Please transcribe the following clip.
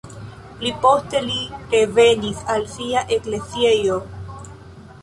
Pli poste li revenis al sia ekleziejo.